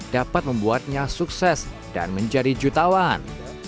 dapat membuatnya sukses dan menjadi jutawan